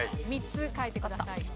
３つ書いてください。